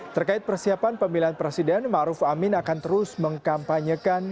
terkait persiapan pemilihan presiden maruf amin akan terus mengkampanyekan